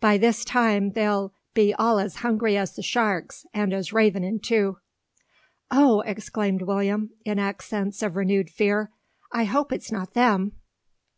By this time they'll be all as hungry as the sharks and as ravenin' too." "Oh!" exclaimed William, in accents of renewed fear, "I hope it's not them!"